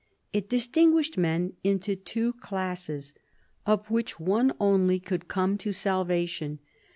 It distinguished men into two classes, of which one only could come to salvation.